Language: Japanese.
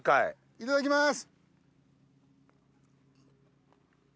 いただきます。